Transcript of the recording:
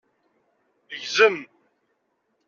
Gzem!